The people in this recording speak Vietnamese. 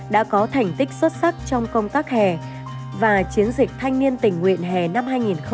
đã có thành tích xuất sắc trong công tác hè và chiến dịch thanh niên tình nguyện hè năm hai nghìn hai mươi ba